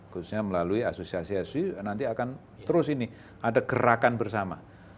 khususnya melalui asosiasi asosiasi nanti akan terus ini ada gerakan bersama